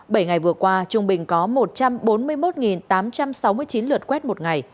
bảy ngày vừa qua trung bình có một trăm bốn mươi một tám trăm sáu mươi chín lượt